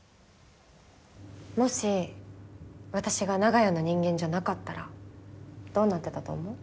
もし私が長屋の人間じゃなかったらどうなってたと思う？